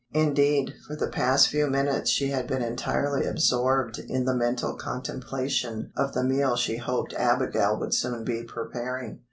Indeed, for the past few minutes she had been entirely absorbed in the mental contemplation of the meal she hoped Abigail would soon be preparing.